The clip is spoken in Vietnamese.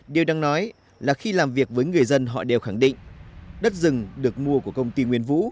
điều đang nói là khi làm việc với người dân họ đều khẳng định đất rừng được mua của công ty nguyên vũ